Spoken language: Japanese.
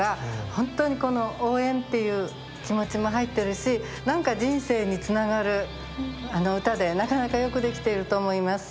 本当に応援っていう気持ちも入ってるし何か人生につながる歌でなかなかよくできていると思います。